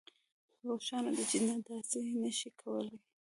روښانه ده چې نه داسې نشئ کولی